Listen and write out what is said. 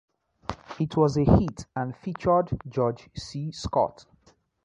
It was a hit and featured George C. Scott.